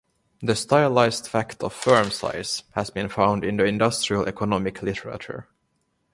The stylized fact of firm size has been found in the industrial economic literature.